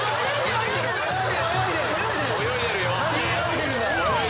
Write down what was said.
泳いでるよ。